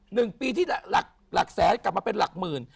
หนึ่งปีที่หลักหลักแสนกลับมาเป็นหลักหมื่น